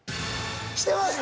してます！